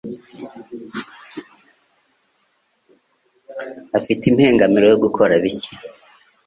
afite impengamiro yo gukora bike.